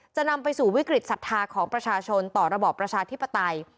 จะนำไปสู่วิกฤตศรัทธาของประชาชนต่อระบอบประชาธิปไตย